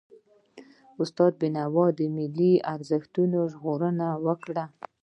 استاد بينوا د ملي ارزښتونو ژغورنه وکړه.